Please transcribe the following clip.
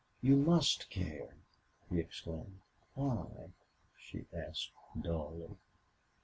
"You MUST care!" he exclaimed. "Why?" she asked, dully.